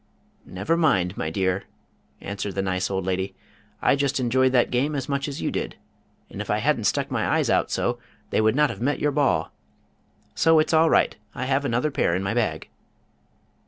"Never mind, my dear," answered the nice old lady, "I just enjoyed that game as much as you did, and if I hadn't stuck my eyes out so, they would not have met your ball. So, it's all right. I have another pair in my bag."